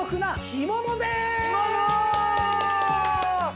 干物！